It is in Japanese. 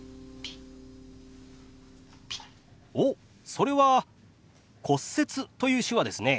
おっそれは「骨折」という手話ですね。